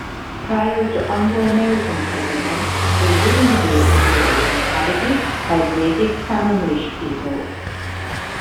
Prior to Anglo-American settlement, the Woodinville area was inhabited by the native Sammamish people.